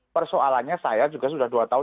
persoalannya saya juga sudah dua tahun